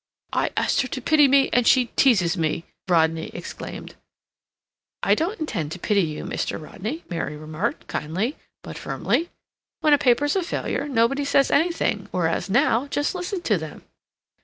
"I asked her to pity me, and she teases me!" Rodney exclaimed. "I don't intend to pity you, Mr. Rodney," Mary remarked, kindly, but firmly. "When a paper's a failure, nobody says anything, whereas now, just listen to them!"